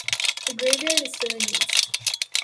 The graveyard is still in use.